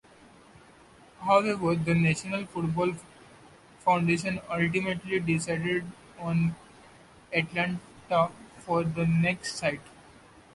However, the National Football Foundation ultimately decided on Atlanta for the next site.